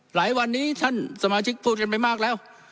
หลายวันนี้ท่านสมาชิกพูดกันไปมากแล้ว